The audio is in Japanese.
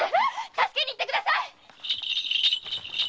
助けに行ってください！